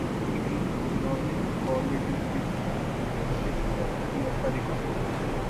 Economists call it “increasing the productive capacity of our economy.”